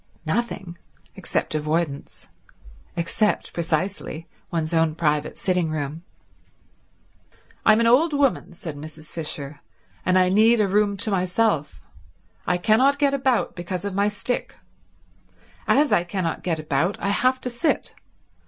Nothing, except avoidance; except, precisely, one's own private sitting room. "I'm an old woman," said Mrs. Fisher, "and I need a room to myself. I cannot get about, because of my stick. As I cannot get about I have to sit.